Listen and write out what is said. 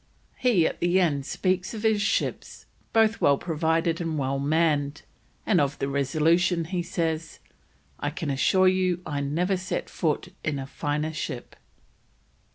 He at the end speaks of his ships, both "well provided and well mann'd," and of the Resolution he says: "I can assure you I never set foot in a finer ship."